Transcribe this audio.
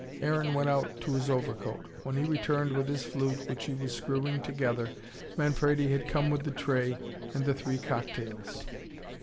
Aaron went out to his overcoat. When he returned with his flute, which he was screwing together, Manfredi had come with the tray and the three cocktails.